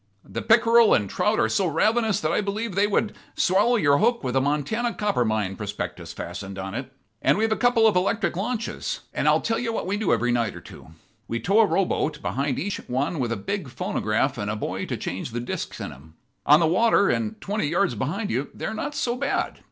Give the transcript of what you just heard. The pickerel and trout are so ravenous that I believe they would swallow your hook with a Montana copper mine prospectus fastened on it. And we've a couple of electric launches; and I'll tell you what we do every night or two we tow a rowboat behind each one with a big phonograph and a boy to change the discs in 'em. On the water, and twenty yards behind you, they are not so bad.